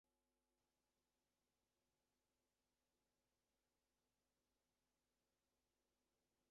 Actualmente es catedrático de la Universidad de Basilea.